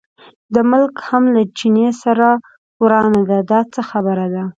د ملک هم له چیني سره ورانه ده، دا څه خبره ده.